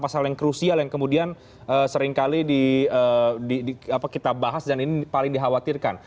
pasal yang krusial yang kemudian seringkali kita bahas dan ini paling dikhawatirkan